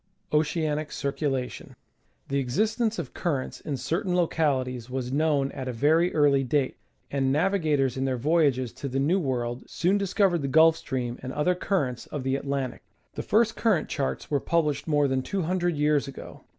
Oceanic Cieculation. The existence of currents in certain localities was known at a very early date, and navigators in their voyages to the new world soon discovered the Gulf Stream and other currents of the Atlan tic. The first current charts were published more than two hun dred years ago.